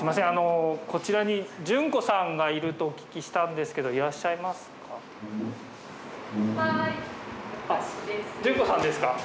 あのこちらに純子さんがいるとお聞きしたんですけどいらっしゃいますか？